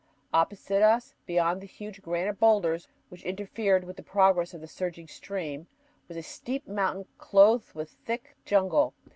Opposite us, beyond the huge granite boulders which interfered with the progress of the surging stream, was a steep mountain clothed with thick jungle.